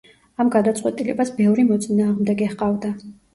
ამ გადაწყვეტილებას ბევრი მოწინააღმდეგე ჰყავდა.